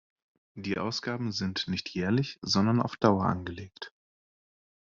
Diese Ausgaben sind nicht jährlich, sondern auf Dauer angelegt.